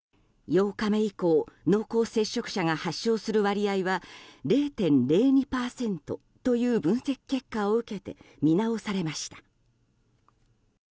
８日目以降、濃厚接触者が発症する割合は０．０２％という分析結果を受けて、見直されました。